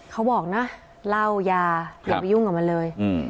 เขาบอกนะเล่ายาอย่าไปยุ่งกับมันเลย